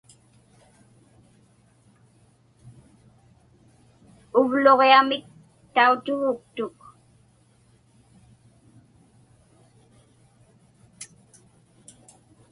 Uvluġiamik tautuguktuk.